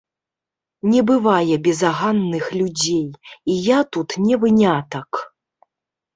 Не бывае беззаганных людзей, і я тут не вынятак.